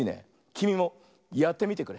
きみもやってみてくれ。